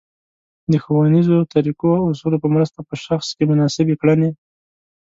د ښونیزو طریقو او اصولو په مرسته په شخص کې مناسبې کړنې